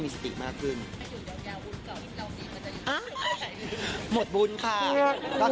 ก็รอติดตามกันนะครับ